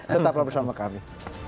tetaplah bersama kami